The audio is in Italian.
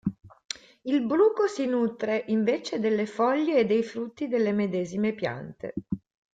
Il bruco si nutre invece delle foglie e dei frutti delle medesime piante.